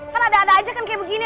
kan ada ada aja kan kayak begini